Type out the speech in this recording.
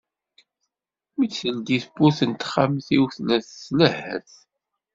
Mi d-teldi tawwurt n texxamt-iw, tella tlehhet.